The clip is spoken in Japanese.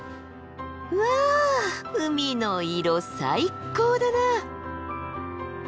うわ海の色最高だなあ！